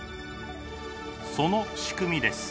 その仕組みです。